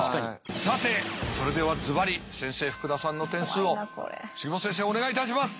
さてそれではズバリ先生福田さんの点数を杉本先生お願いいたします。